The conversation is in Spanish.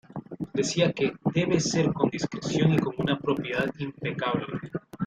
Decía que “debe ser con discreción y con una propiedad impecable...